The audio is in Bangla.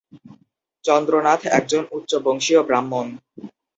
চন্দ্রনাথ একজন উচ্চ বংশীয় ব্রাহ্মণ।